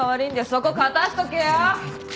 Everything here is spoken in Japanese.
そこ片しとけよ！